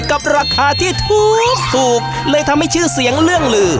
กับราคาที่ถูกถูกเลยทำให้ชื่อเสียงเรื่องลือ